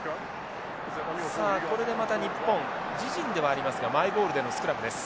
さあこれでまた日本自陣ではありますがマイボールでのスクラムです。